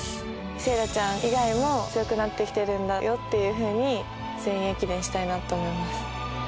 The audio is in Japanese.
聖衣来ちゃん以外も強くなってきてるんだよというふうに全員駅伝したいと思います。